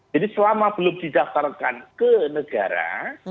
jadi selama belum didaftarkan ke negara